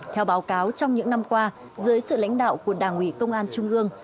theo báo cáo trong những năm qua dưới sự lãnh đạo của đảng ủy công an trung ương